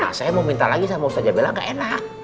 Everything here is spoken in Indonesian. nah saya mau minta lagi sama ustaz jabela gak enak